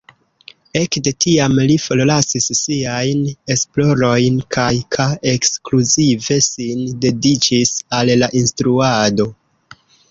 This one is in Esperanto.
Ekde tiam li forlasis siajn esplorojn kaj ka ekskluzive sin dediĉis al la instruado.